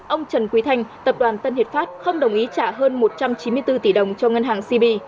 ông trần quý thanh tập đoàn tân hiệp pháp không đồng ý trả hơn một trăm chín mươi bốn tỷ đồng cho ngân hàng cb